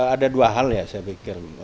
ada dua hal ya saya pikir